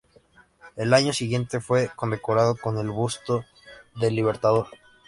El año siguiente fue condecorado con el Busto del Libertador.